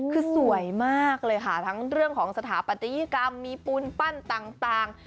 คือสวยมากเลยค่ะทั้งเรื่องของสถาปัตยกรรมมีปูนปั้นต่าง